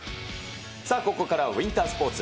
ここからウインタースポーツ。